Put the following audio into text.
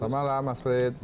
selamat malam mas frits